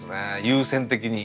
優先的に。